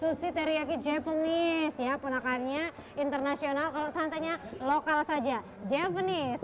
sushi teriyaki japanese ya punakannya internasional kalau tantanya lokal saja japanese